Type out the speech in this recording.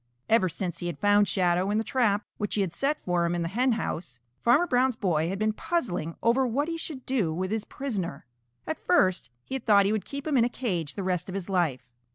Ever since he had found Shadow in the trap which he had set for him in the henhouse, Farmer Brown's boy had been puzzling over what he should do with his prisoner. At first he had thought he would keep him in a cage the rest of his life.